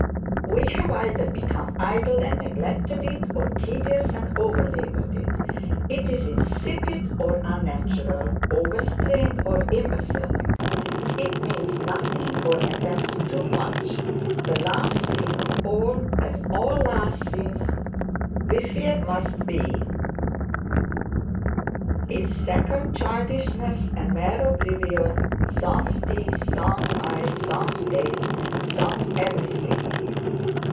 We have either become idle and neglected it, or tedious and over laboured it. It is insipid or unnatural, over strained or imbecile. It means nothing, or attempts too much. The last scene of all, as all last scenes we fear must be: 'Is second childishness, and mere oblivion, Sans teeth, sans eyes, sans taste, sans everything.'